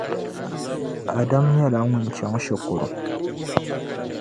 Adam nyɛla ŋun chaŋ shikuru.